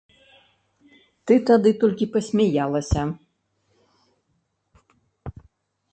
Ты тады толькі пасмяялася.